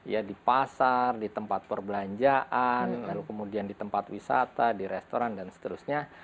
ya di pasar di tempat perbelanjaan lalu kemudian di tempat wisata di restoran dan seterusnya